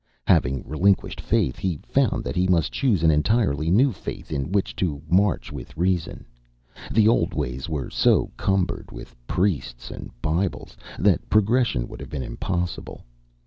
Having relinquished faith, he found that he must choose an entirely new faith in which to march with reason; the old ways were so cumbered with priests and Bibles, that progression would have been impossible.